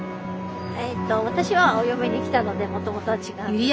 えと私はお嫁に来たのでもともとは違うんですけど。